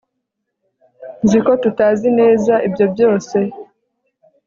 Nzi ko tutazi neza ibyo byose